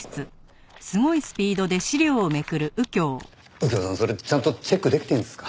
右京さんそれちゃんとチェックできてんすか？